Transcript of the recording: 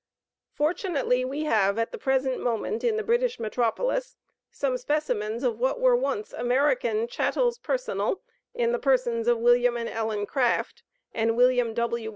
Fortunately, we have, at the present moment, in the British Metropolis, some specimens of what were once American "chattels personal," in the persons of William and Ellen Craft, and William W.